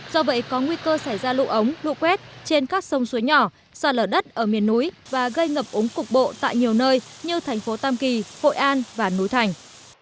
do vậy có nguy cơ xảy ra lũ ống lũ quét trên các sông suối nhỏ xa lở đất ở miền núi và gây ngập úng cục bộ tại nhiều nơi như thành phố tam kỳ hội an và núi thành